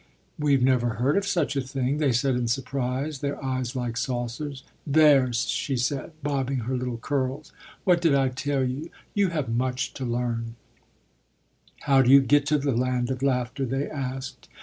"We never heard of such a thing," they said in surprise, their eyes like saucers. "There!" she said, bobbing her little curls. "What did I tell you. You have much to learn." "How do you get to the Land of Laughter?" they asked.